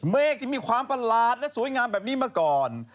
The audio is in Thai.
เมฆที่มีความประหลาดและสวยงามแบบนี้มาก่อน